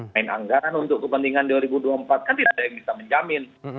main anggaran untuk kepentingan dua ribu dua puluh empat kan tidak ada yang bisa menjamin